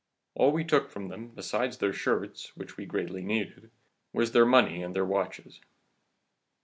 All we took from them, besides their shirts, which we greatly needed, was their money and their watches.